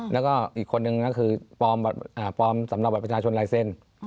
แล้วก็อีกคนนึงก็คือปลอมสำหรับบัตรประชาชนลายเซ็นต์